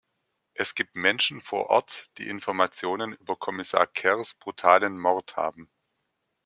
Es gibt Menschen vor Ort, die Informationen über Kommissar Kerrs brutalen Mord haben.